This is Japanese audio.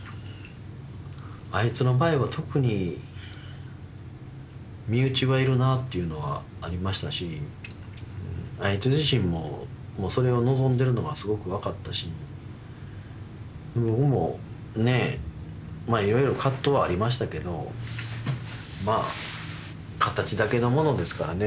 あいつの場合は特に身内はいるなっていうのはありましたしあいつ自身ももうそれを望んでるのはすごく分かったし僕もねえまあいわゆる葛藤はありましたけどまあ形だけのものですからね